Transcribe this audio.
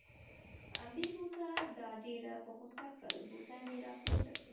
همدې بوتل دا ډېره په غوسه کړل، بوتل یې را پورته کړ.